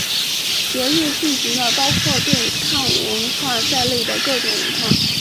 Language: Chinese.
节日聚集了包括对抗文化在内的各种文化。